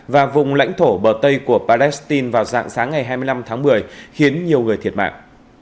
và vùng lãnh thổ bờ tây của palestine vào dạng sáng ngày hai mươi năm tháng một mươi khiến nhiều người thiệt mạng